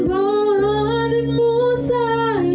tanpa adikmu sayang